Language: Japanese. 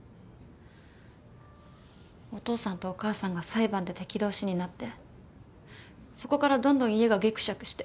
お父さんとお母さんが裁判で敵同士になってそこからどんどん家がギクシャクして。